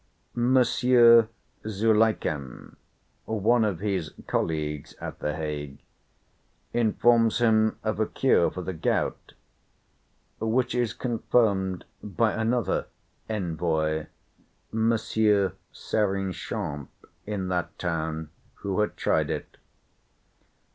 Monsieur Zulichem, one of his "colleagues at the Hague," informs him of a cure for the gout; which is confirmed by another "Envoy," Monsieur Serinchamps, in that town, who had tried it.